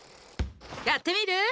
やってみる？